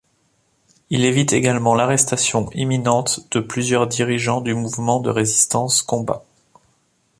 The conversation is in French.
Il évite également l'arrestation imminente de plusieurs dirigeants du mouvement de résistance Combat.